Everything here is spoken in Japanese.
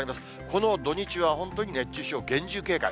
この土日は本当に熱中症厳重警戒。